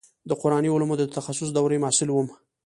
د قراني علومو د تخصص دورې محصل وم.